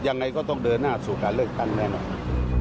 ยังไงก็ต้องเดินหน้าสู่การเลือกตั้งแน่นอน